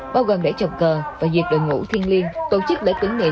bao gồm đẩy trọng cờ và dịp đội ngũ thiên liên tổ chức đẩy tử niệm